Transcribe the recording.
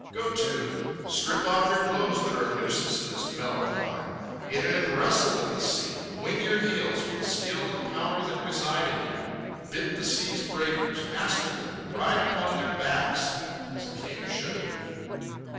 Go to. Strip off your clothes that are a nuisance in this mellow clime. Get in and wrestle with the sea; wing your heels with the skill and power that reside in you; bit the sea's breakers, master them, and ride upon their backs as a king should.